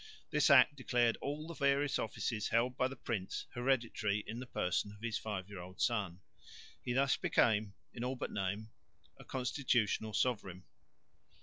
This Act declared all the various offices held by the prince hereditary in the person of his five year old son. He thus became, in all but name, a constitutional sovereign.